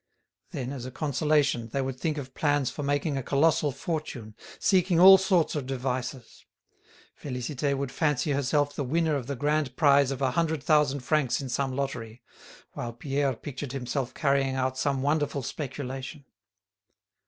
Then, as a consolation, they would think of plans for making a colossal fortune, seeking all sorts of devices. Félicité would fancy herself the winner of the grand prize of a hundred thousand francs in some lottery, while Pierre pictured himself carrying out some wonderful speculation.